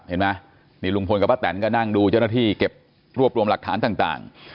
เห็นไหมนี่ลุงพลกับป้าแตนก็นั่งดูเจ้าหน้าที่เก็บรวบรวมหลักฐานต่าง